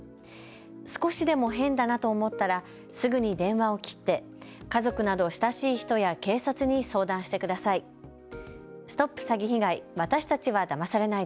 少しでも変だなと思ったらすぐに電話を切って家族など親しい人や警察に相談してください。